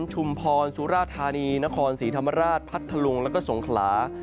ชุมพรสุราธานีนครศรีธรรมราชพัทธลุงแล้วก็สงขลา